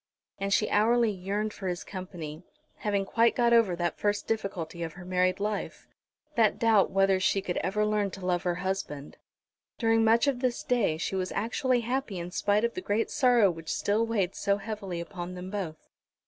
And she hourly yearned for his company, having quite got over that first difficulty of her married life, that doubt whether she could ever learn to love her husband. During much of this day she was actually happy in spite of the great sorrow which still weighed so heavily upon them both.